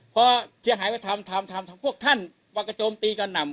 พอเสียหายไปทำทำทำทำพวกท่านวักกระโจมตีกับหน่ำ